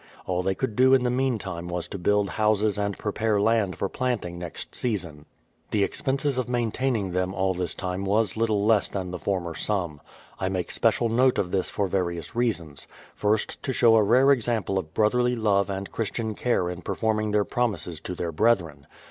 All they could do in the meantime was to build houses and prepare land for planting next season. The expenses of maintaining them all this time was little less than the former sum. I make special note of this for various reasons: first, to show a rare example of brotherly love and Christian care in performing their promises to their brethren.